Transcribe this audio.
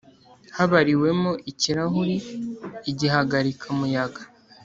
habariwemo ikirahuri igihagarika muyaga